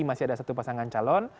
masih ada satu pasangan calon